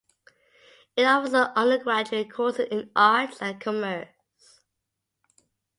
It offers undergraduate courses in arts and commerce.